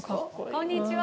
こんにちは！